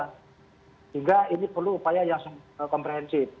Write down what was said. sehingga ini perlu upaya yang komprehensif